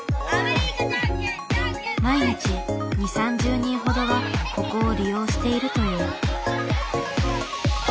毎日２０３０人ほどがここを利用しているという。